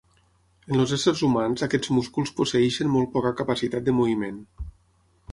En els éssers humans aquests músculs posseeixen molt poca capacitat de moviment.